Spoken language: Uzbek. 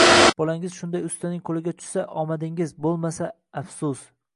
Bolangiz shunday ustaning qo‘liga tushsa – omadingiz, bo‘lmasa... afsus.